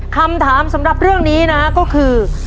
คำถามสำหรับเรื่องนี้นะฮะก็คือ